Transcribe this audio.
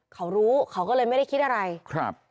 เขารู้เขาก็เลยไม่ได้คิดอะไรครับ